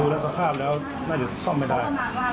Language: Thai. แล้วสภาพแล้วน่าจะซ่อมไม่ได้